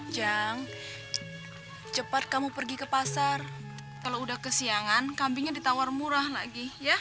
jang cepat kamu pergi ke pasar kalau udah kesiangan kambingnya ditawar murah lagi ya